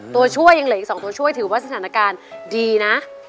ตัวช่วยยังเหลืออีก๒ตัวช่วยถือว่าสถานการณ์ดีนะ